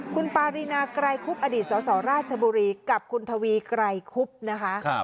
คุณปารีนาไกรคุบอดีตสสราชบุรีกับคุณทวีไกรคุบนะคะ